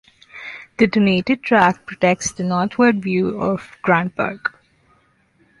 The donated tract protects the northward view of Grant Park.